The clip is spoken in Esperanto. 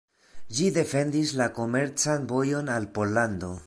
Ĝi defendis la komercan vojon al Pollando.